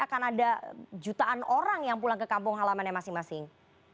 akan ada jutaan orang yang pulang ke kampung halamannya masing masing